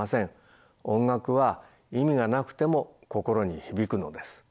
音楽は意味がなくても心に響くのです。